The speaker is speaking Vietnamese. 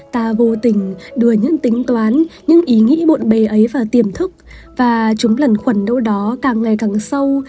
ta vô tình đưa những tính toán nhưng ý nghĩ bộn bề ấy vào tiềm thức và chúng lần khuẩn đâu đó càng ngày càng sâu